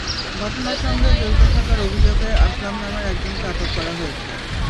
ঘটনার সঙ্গে জড়িত থাকার অভিযোগে আসলাম নামের একজনকে আটক করা হয়েছে।